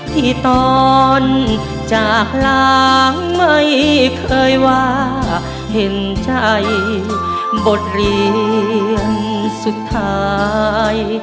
ที่ตอนจากล้างไม่เคยว่าเห็นใจบทเรียนสุดท้าย